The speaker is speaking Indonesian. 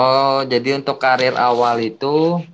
oh jadi untuk karir awal itu